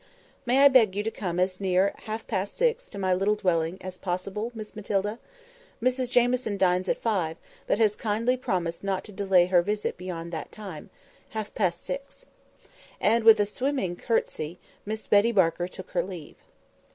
"May I beg you to come as near half past six to my little dwelling, as possible, Miss Matilda? Mrs Jamieson dines at five, but has kindly promised not to delay her visit beyond that time—half past six." And with a swimming curtsey Miss Betty Barker took her leave.